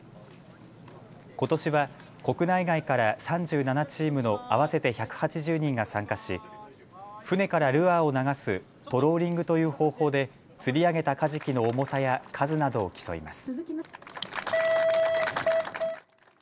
ことしは国内外から３７チームの合わせて１８０人が参加し船からルアーを流すトローリングという方法で釣り上げたカジキの重さや数などを競います。